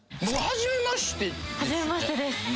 初めましてです。